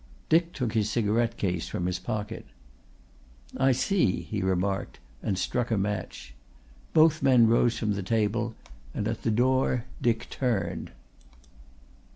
Dick took his cigarette case from his pocket. "I see," he remarked, and struck a match. Both men rose from the table and at the door Dick turned.